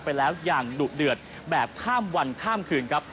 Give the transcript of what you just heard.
ไปแล้วอย่างดุเดือดแบบข้ามวันข้ามคืนครับ